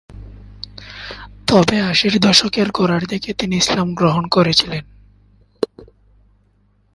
তবে আশির দশকের গোড়ার দিকে তিনি ইসলাম গ্রহণ করেছিলেন।